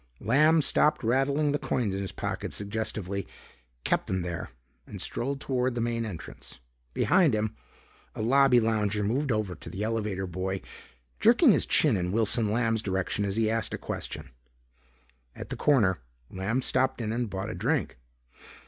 Lamb stopped rattling the coins in his pocket suggestively, kept them there, and strolled toward the main entrance. Behind him, a lobby lounger moved over to the elevator boy, jerking his chin in Wilson Lamb's direction as he asked a question. At the corner, Lamb stopped in and bought a drink.